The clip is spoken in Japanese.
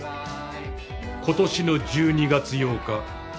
今年の１２月８日。